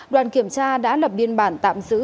đoàn kiểm tra đã lập biên bản tạm giữ